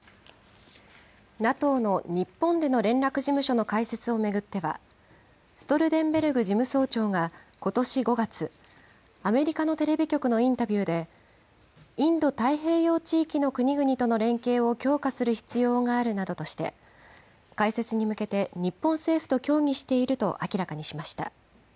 ＮＡＴＯの日本での連絡事務所の開設を巡っては、ストルテンベルグ事務総長がことし５月、アメリカのテレビ局のインタビューで、インド太平洋地域の国々との連携を強化する必要があるなどとして、開設に向けて日本政府と協議していると明らかにしました。